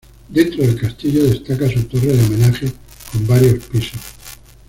Dentro del castillo destaca, su torre del homenaje con varios pisos.